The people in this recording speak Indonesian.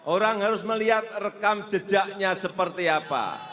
orang harus melihat rekam jejaknya seperti apa